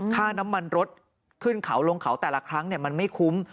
ค่าน้ำมันรถขึ้นเขาลงเขาแต่ละครั้งมันไม่คุ้ม